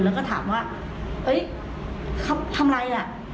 แล้วก็ถามว่าเฮ้ยเขาทำอะไรอ่ะ